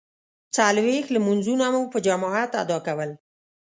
څلویښت لمانځونه مو په جماعت ادا کول.